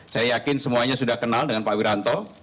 saya yakin semuanya sudah kenal dengan pak wiranto